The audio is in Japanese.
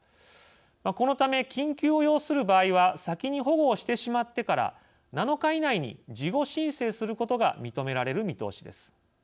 このため、緊急を要する場合は先に保護をしてしまってから７日以内に事後申請することが認められる見通しです。